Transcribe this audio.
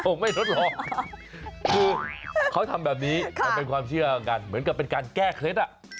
คือเขาทำแบบนี้เป็นความเชื่อกันเหมือนกับเป็นการแก้เคล็ด